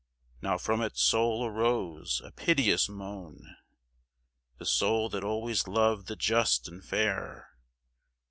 Now from its soul arose a piteous moan, The soul that always loved the just and fair.